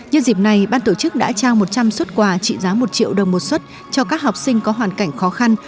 nhân dịp này ban tổ chức đã trao một trăm linh xuất quà trị giá một triệu đồng một xuất cho các học sinh có hoàn cảnh khó khăn